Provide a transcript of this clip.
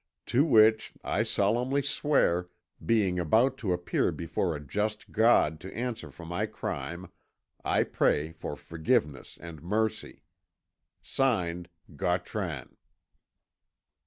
"To which I solemnly swear, being about to appear before a just God to answer for my crime. I pray for forgiveness and mercy. "Signed, Gautran."